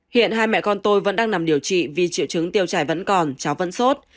hiện hai mẹ con tôi vẫn đang nằm điều trị vì triệu chứng tiêu chảy vẫn còn cháu vẫn sốt